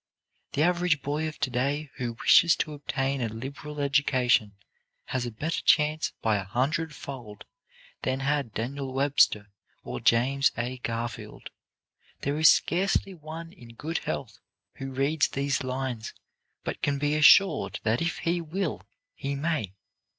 The average boy of to day who wishes to obtain a liberal education has a better chance by a hundredfold than had Daniel Webster or James A. Garfield. There is scarcely one in good health who reads these lines but can be assured that if he will he may.